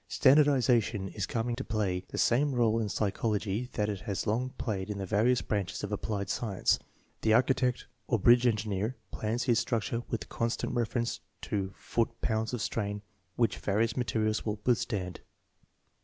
Standardization is coming to play the same r61e in psychology that it has long played in the various branches of applied science. The architect or bridge engineer plans his structure with constant reference to foot pounds of strain which various materials will withstand.